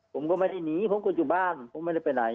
ผมก็ไม่ได้หนีผมก็อยู่บ้านผมไม่ได้ไปไหน